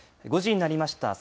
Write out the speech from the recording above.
５時になりました。